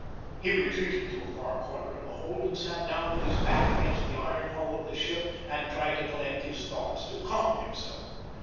He retreated to a far corner of the hold and sat down with his back against the iron hull of the ship and tried to collect his thoughts, to calm himself.